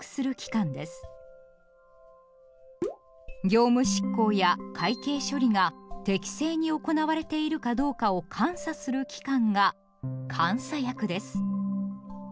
業務執行や会計処理が適正に行われているかどうかを監査する機関が「監査役」です。